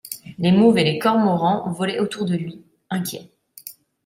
Les mauves et les cormorans volaient autour de lui, inquiets.